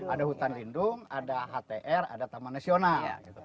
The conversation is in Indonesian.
ada hutan lindung ada htr ada taman nasional